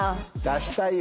出したい。